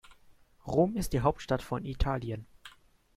Rom ist die Hauptstadt von Italien.